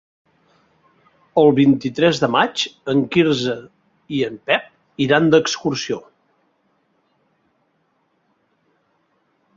El vint-i-tres de maig en Quirze i en Pep iran d'excursió.